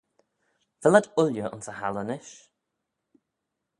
Vel ad ooilley ayns y halley nish?